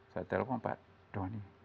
saya telepon pak doni